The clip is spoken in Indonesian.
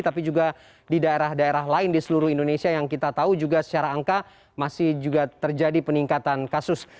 tapi juga di daerah daerah lain di seluruh indonesia yang kita tahu juga secara angka masih juga terjadi peningkatan kasus